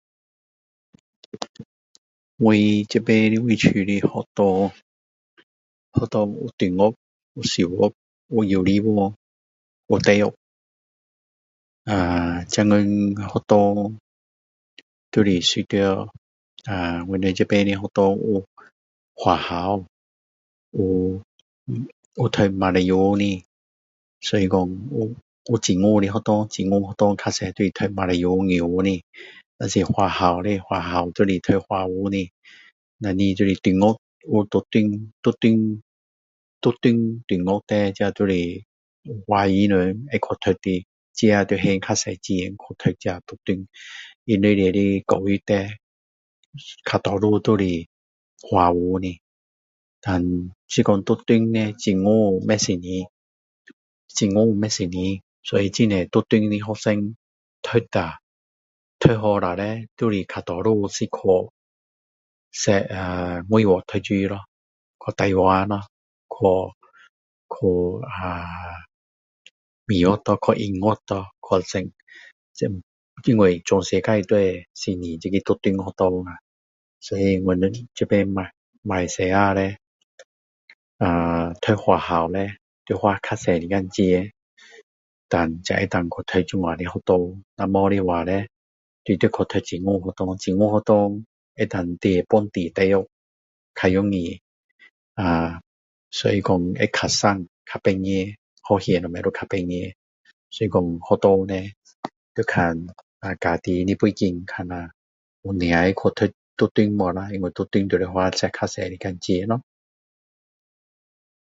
我这边位置的学校学校有中学有小学有幼儿园有大学呃现在学校都是认识到呃我们这边的学校有华校有读马来文的所以说有政府的学校比较多都是都马来文的如果是华校的就是读华文的不然就是中学独中独中中学这就是华人们会去读的自己要去还比较多钱去还这独中它们里面的教育比较多都是华文的但就是独中就是政府不承认所以很多独中的学生读下都好下就是大多数去外国读书咯去台湾咯去美国去英国咯，因为外国都承认独中，所以去独中会花比较多钱咯